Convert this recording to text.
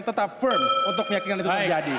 tetap firm untuk meyakinkan itu terjadi